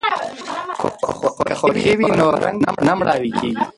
که خوښي وي نو رنګ نه مړاوی کیږي.